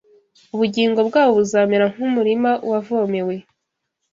ubugingo bwabo buzamera nk’umurima wavomewe